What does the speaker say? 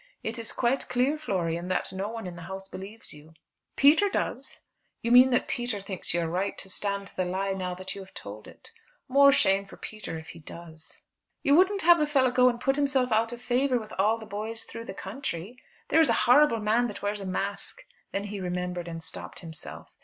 It is quite clear, Florian, that no one in the house believes you." "Peter does." "You mean that Peter thinks you are right to stand to the lie now you have told it. More shame for Peter if he does." "You wouldn't have a fellow go and put himself out of favour with all the boys through the country? There is a horrible man that wears a mask " Then he remembered, and stopped himself.